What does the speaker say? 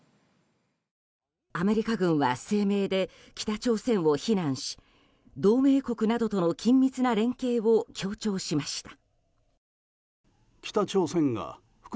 アメリカ軍は声明で北朝鮮を非難し同盟国などとの緊密な連携を強調しました。